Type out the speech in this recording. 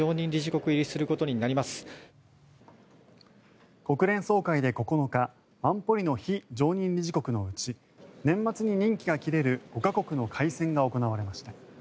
国連総会で９日安保理の非常任理事国のうち年末に任期が切れる５か国の改選が行われました。